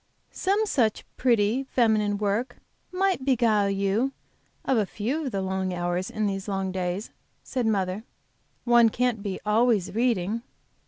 "Some such pretty, feminine work might beguile you of a few of the long hours of these long days," said mother. "One can't be always reading."